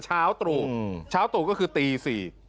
ชาวตรุชาวตรุก็คือตีสี่